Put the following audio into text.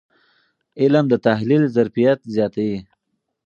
علم د تحلیل ظرفیت زیاتوي.